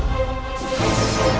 aku akan menangkan gusti ratu